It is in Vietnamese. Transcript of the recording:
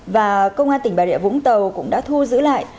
và công an tỉnh bà rịa vũng tàu cũng đã thu giữ lại